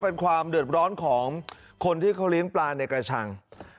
เป็นความเดือดร้อนของคนที่เขาเลี้ยงปลาในกระชัง